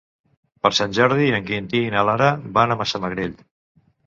Per Sant Jordi en Quintí i na Lara van a Massamagrell.